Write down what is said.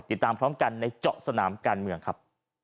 ติดตามพร้อมกันในเจาะสนามการเมืองครับ